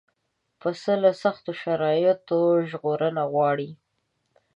پسه له سختو شرایطو ژغورنه غواړي.